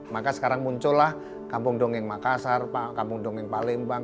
maka sekarang muncullah kampung dongeng makassar kampung dongeng palembang